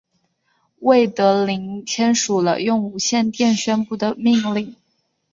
魏德林签署了用无线电宣布的命令。